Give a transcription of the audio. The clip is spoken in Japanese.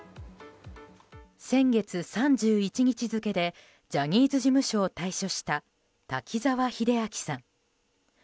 先月３１日付でジャニーズ事務所を退所した滝沢秀明さん。